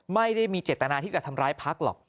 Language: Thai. ไม่ได้มีเจตนาที่จะทำร้ายพักหรอก